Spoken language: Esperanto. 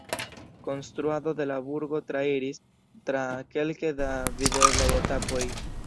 Konstruado de la burgo trairis tra kelke da videblaj etapoj.